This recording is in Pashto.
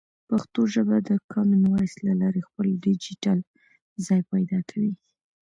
پښتو ژبه د کامن وایس له لارې خپل ډیجیټل ځای پیدا کوي.